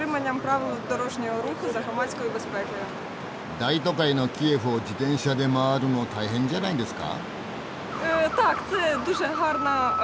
大都会のキエフを自転車で回るの大変じゃないんですか？